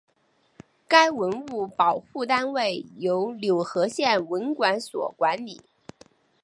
该文物保护单位由柳河县文管所管理。